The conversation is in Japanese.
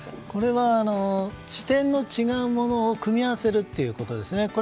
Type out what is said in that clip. これは、視点の違うものを組み合わせるということですね。